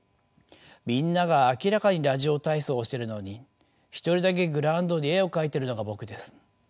みんなが明らかにラジオ体操をしてるのに一人だけグラウンドに絵を描いてるのが僕です。